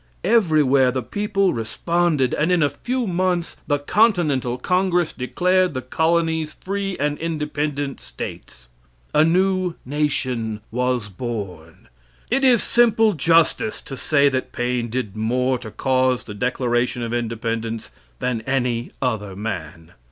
Everywhere the people responded, and in a few months the Continental Congress declared the colonies free and independent states. A new nation was born. It is simple justice to say that Paine did more to cause the Declaration of Independence than any other man.